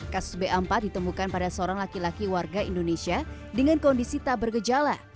kasus b empat ditemukan pada seorang laki laki warga indonesia dengan kondisi tak bergejala